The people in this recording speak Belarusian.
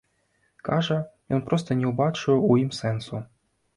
Кажа, ён проста не ўбачыў у ім сэнсу.